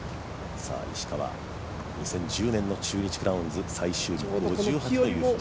２０１０年の中日クラウンズ最終日、５８です。